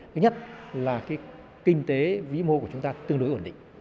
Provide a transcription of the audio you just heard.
thứ nhất là kinh tế vĩ mô của chúng ta tương đối